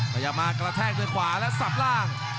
พยายามมากระแทกด้วยขวาและสับล่าง